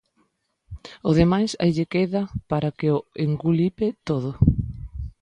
O demais aí lle queda para que o engulipe todo.